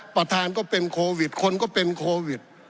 ก็เป็นโควิดคนก็เป็นโควิด